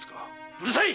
うるさい！